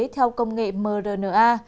theo công nghệ mrna